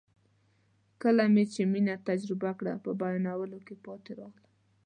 کله مې چې مینه تجربه کړه په بیانولو کې پاتې راغلم.